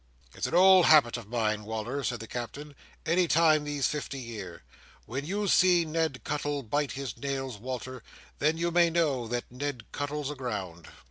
"It's an old habit of mine, Wal"r," said the Captain, "any time these fifty year. When you see Ned Cuttle bite his nails, Wal"r, then you may know that Ned Cuttle's aground."